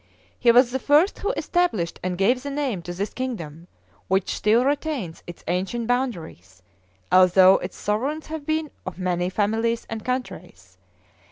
He was the first who established and gave that name to this kingdom, which still retains its ancient boundaries, although its sovereigns have been of many families and countries.